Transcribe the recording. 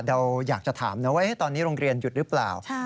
เราอยากจะถามนะว่าตอนนี้โรงเรียนหยุดหรือเปล่า